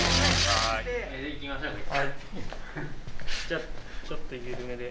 じゃあちょっと緩めで。